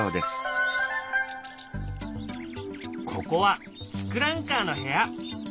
ここは「ツクランカー」の部屋。